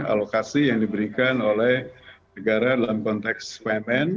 alokasi yang diberikan oleh negara dalam konteks bumn